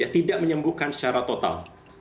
tidak menyembuhkan secara total